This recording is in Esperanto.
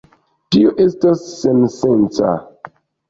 Tio estas sensenca.